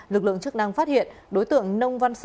lực lượng chức năng phát hiện đối tượng nông văn sử